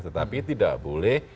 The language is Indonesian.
tetapi tidak boleh